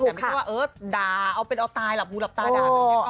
แต่ไม่ใช่ว่าเออดาเอาเป็นเอาตายหลับบูรับตาดา